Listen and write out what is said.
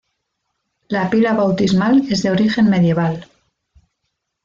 La pila bautismal es de origen medieval.